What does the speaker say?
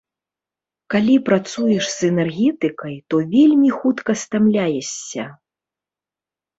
Калі працуеш з энергетыкай, то вельмі хутка стамляешся.